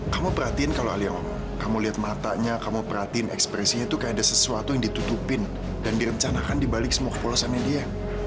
sampai jumpa di video selanjutnya